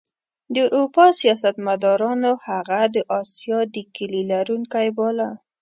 د اروپا سیاستمدارانو هغه د اسیا د کیلي لرونکی باله.